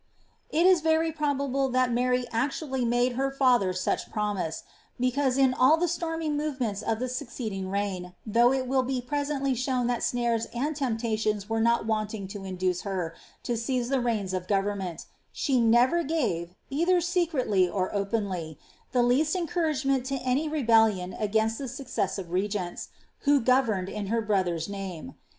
"' It is very probable that Mary actually made her iatlier such promise, because in all the stormy movements of the succeeding reign, though it will be presently shown tliat snares and tempuitions were not wanting to induce her to seize the reins of government, she never gave, either •ecretly or openly, the least encouragement to any rebellion against the successive regents, who governed in her brother's name.